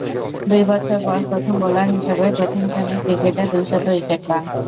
দুই বছর পর প্রথম বোলার হিসেবে প্রথম-শ্রেণীর ক্রিকেটে দুইশত উইকেট পান।